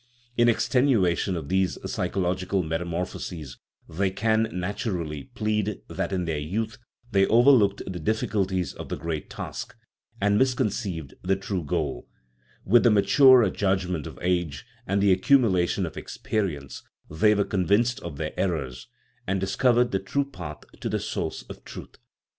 In extenuation of these psychological metamor phoses they can, naturally, plead that in their youth they overlooked the difficulties of the great task, and misconceived the true goal ; with the maturer judgment of age and the accumulation of experience they were convinced of their errors, and discovered the true path to the source of truth.